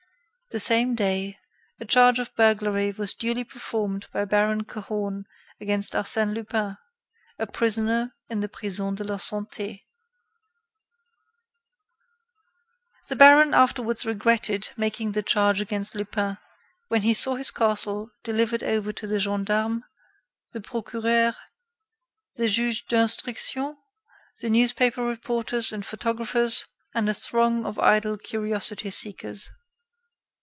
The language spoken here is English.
The same day, a charge of burglary was duly performed by Baron Cahorn against Arsène Lupin, a prisoner in the Prison de la Santé. The baron afterwards regretted making the charge against Lupin when he saw his castle delivered over to the gendarmes, the procureur, the judge d'instruction, the newspaper reporters and photographers, and a throng of idle curiosity seekers.